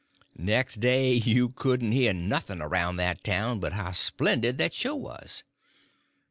Next day you couldn't hear nothing around that town but how splendid that show was.